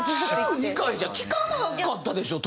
週２回じゃきかなかったでしょ？